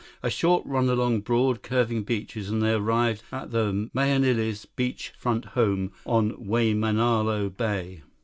A short run along broad, curving beaches, and they arrived at the Mahenilis' beach front home on Waimanalo Bay.